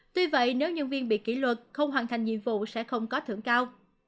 tuy vậy nếu nhân viên bị kỷ luật không hoàn thành nhiệm vụ sẽ không có thưởng cao